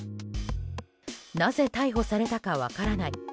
なぜ逮捕されたか分からない